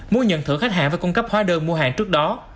muốn nhận thưởng khách hàng và cung cấp hóa đơn mua hàng trước đó